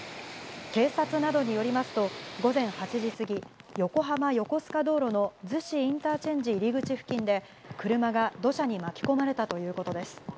警察などによりますと、午前８時過ぎ、横浜横須賀道路の逗子インターチェンジ入り口付近で、車が土砂に巻き込まれたということです。